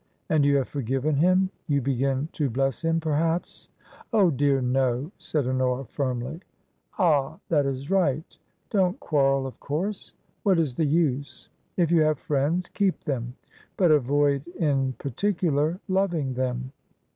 " And you have forgiven him ? You begin to bless him, perhaps ?"" Oh, dear, no !" said Honora, firmly. " Ah ! That is right. Don't quarrel, of course. What is the use ? If you have friends, keep them. But avoid, in particular, loving them."